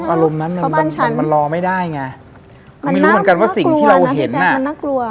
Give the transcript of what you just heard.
อารมณ์นั้นมันรอไม่ได้ไงมันน่ากลัวนะพี่แจ๊กมันน่ากลัว